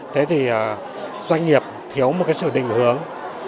thế thì doanh nghiệp thiếu một sự định hướng